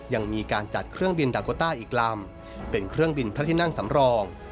ยังมีการจัดเครื่องบินดาโกต้าอีกลำเป็นเครื่องบินพระที่นั่งสำรอง